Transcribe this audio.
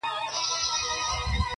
شپه اوږده او سړه وي تل,